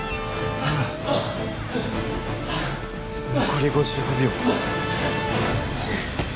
残り５５秒。